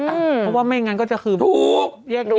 เพราะว่าไม่งั้นก็จะคือถูก